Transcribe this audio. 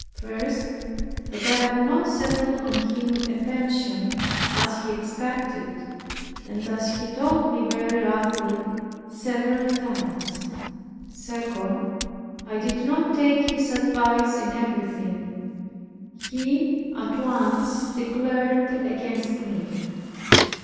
First, that I had not settled on him a pension, as he expected, and as he told me very roughly several times. Second, I did not take his advice in everything. He at once declared against me.